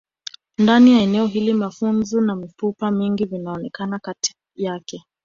Ndani ya eneo hili mafuvu na mifupa mingi vimeonekana kati yake